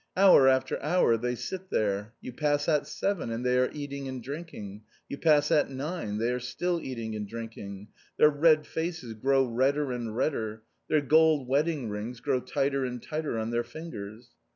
Hour after hour they sit there. You pass at seven and they are eating and drinking. You pass at nine, they are still eating and drinking. Their red faces grow redder and redder. Their gold wedding rings grow tighter and tighter on their fingers.